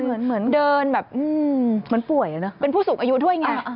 เหมือนเดินแบบอืมเป็นผู้สูงอายุด้วยไง